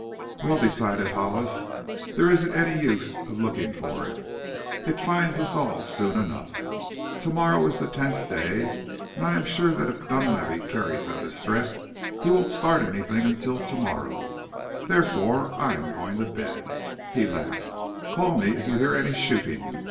"Well," decided Hollis, "there isn't any use of looking for it. It finds all of us soon enough. To morrow is the tenth day and I am sure that if Dunlavey carries out his threat he won't start anything until to morrow. Therefore I am going to bed." He laughed. "Call me if you hear any shooting.